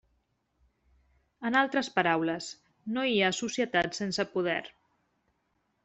En altres paraules, no hi ha societat sense poder.